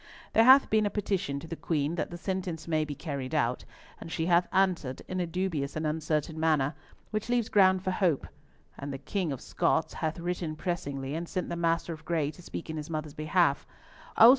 There hath been a petition to the Queen that the sentence may be carried out, and she hath answered in a dubious and uncertain manner, which leaves ground for hope; and the King of Scots hath written pressingly and sent the Master of Gray to speak in his mother's behalf; also M.